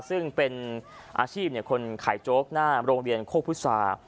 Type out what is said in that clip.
ซึ่งเป็นอาชีพคนขายโจ๊กหน้าโรงบังเวียนโครคภุตศาสตร์